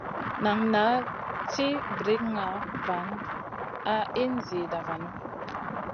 Nan naʼ ci brikŋa van a in zida vanu.